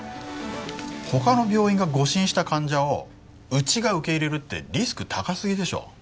他の病院が誤診した患者をうちが受け入れるってリスク高すぎでしょ。